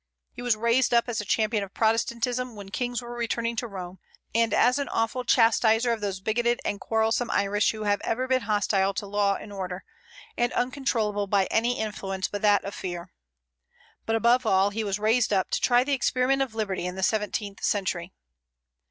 He was raised up as a champion of Protestantism when kings were returning to Rome, and as an awful chastiser of those bigoted and quarrelsome Irish who have ever been hostile to law and order, and uncontrollable by any influence but that of fear. But, above all, he was raised up to try the experiment of liberty in the seventeenth century.